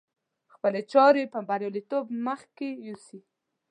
خپلې چارې په برياليتوب مخکې يوسي.